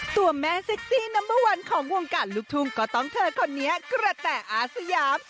ตัวแม่เซ็กซี่นัมเบอร์วันของวงการลูกทุ่งก็ต้องเธอคนนี้กระแต่อาสยาม